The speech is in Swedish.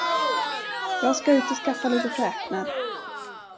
Jag ska ut och skaffa lite fräknar!